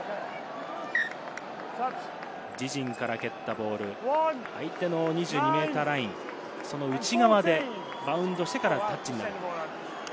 自陣から蹴ったボール、相手の２２ｍライン、その内側でバウンドしてからタッチ。